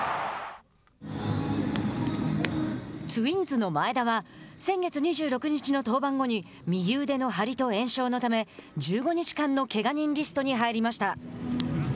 ツインズの前田は先月２６日の登板後に右腕の張りと炎症のため１５日間のけが人リストに入りました。